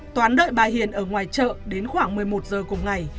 toán đợi bà hiền ở ngoài chợ đến khoảng một mươi một giờ cùng ngày